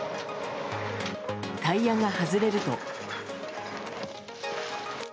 タイヤが外れると。